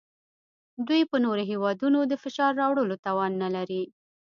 دوی په نورو هیوادونو د فشار راوړلو توان نلري